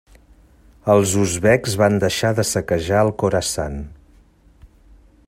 Els uzbeks van deixar de saquejar el Khorasan.